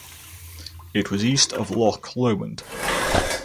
It was east of Loch Lomond.